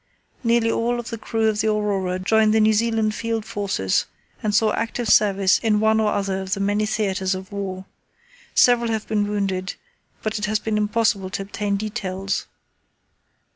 Nearly all of the crew of the Aurora joined the New Zealand Field Forces and saw active service in one or other of the many theatres of war. Several have been wounded, but it has been impossible to obtain details.